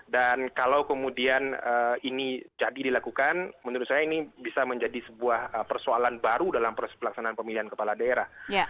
dan kalau kemudian ini jadi dilakukan menurut saya ini bisa menjadi sebuah persoalan baru dalam pelaksanaan pemilihan kepala daerah